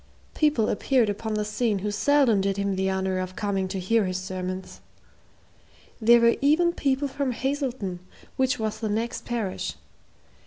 People appeared upon the scene who seldom did him the honor of coming to hear his sermons. There were even people from Hazelton, which was the next parish.